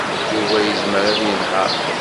Yuba yezmer ad yenheṛ.